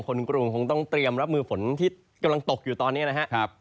กรุงคงต้องเตรียมรับมือฝนที่กำลังตกอยู่ตอนนี้นะครับ